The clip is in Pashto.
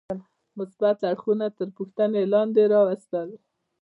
مثبت اړخونه تر پوښتنې لاندې راوستل.